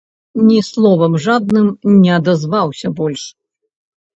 Ні словам жадным не адазваўся больш.